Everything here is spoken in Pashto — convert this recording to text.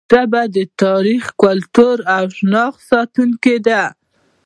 ژبه د تاریخ، کلتور او شناخت ساتونکې ده.